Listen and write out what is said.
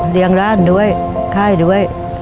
เลี่ยงร้านด้วยค่ายด้วย